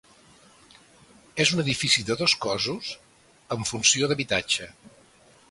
És un edifici de dos cossos amb funció d'habitatge.